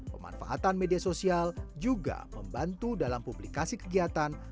pemanfaatan media sosial juga membantu dalam publikasi kegiatan